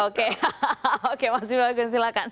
oke oke mas bima agung silakan